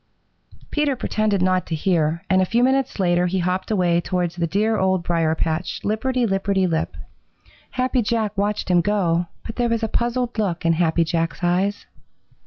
Peter pretended not to hear, and a few minutes later he hopped away towards the dear Old Briar patch, lipperty lipperty lip. Happy Jack watched him go, and there was a puzzled look in Happy Jack's eyes.